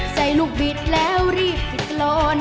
ใส่ลูกบิดแล้วรีบปิดกรอน